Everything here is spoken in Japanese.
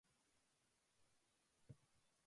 五条悟はしにます